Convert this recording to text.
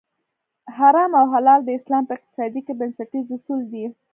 حرام او حلال د اسلام په اقتصاد کې بنسټیز اصول دي.